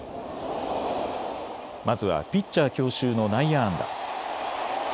まずはピッチャー強襲の内野安打。